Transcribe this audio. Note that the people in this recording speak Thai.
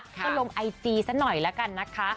ก็ลงไอจีสักหน่อยละกันนะคะ